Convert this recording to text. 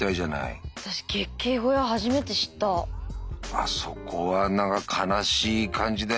あそこは何か悲しい感じだよね。